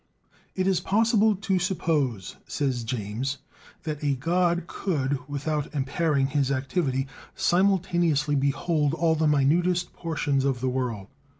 "It is possible to suppose," says James, "that a God could, without impairing his activity, simultaneously behold all the minutest portions of the world.